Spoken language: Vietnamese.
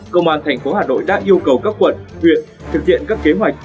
công an thành phố hà nội đã yêu cầu các quận huyện thực hiện các kế hoạch